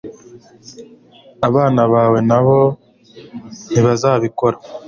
abana bawe nabo ntibazabikora